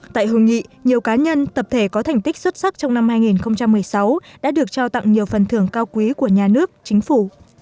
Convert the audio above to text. tại hội nghị nhiều cá nhân tập thể có thành tích xuất sắc trong năm hai nghìn một mươi sáu đã được trao tặng nhiều phần thưởng cao quý của nhà nước chính phủ